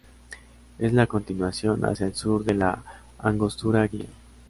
Es la continuación hacia el sur de la angostura Guía.